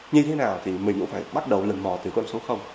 như thế nào thì mình cũng phải bắt đầu lần mò từ con số